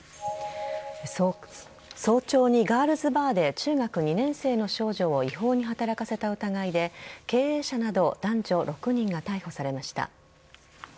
早朝にガールズバーで中学２年生の少女を違法に働かせた疑いで経営者など男女６人が逮捕されました。